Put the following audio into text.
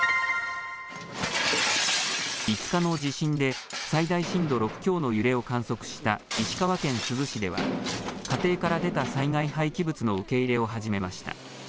５日の地震で最大震度６強の揺れを観測した石川県珠洲市では家庭から出た災害廃棄物の受け入れを始めました。